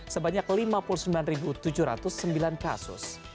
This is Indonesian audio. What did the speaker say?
sebanyak lima puluh sembilan tujuh ratus sembilan kasus